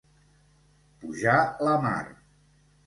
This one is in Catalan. Pujar la mar.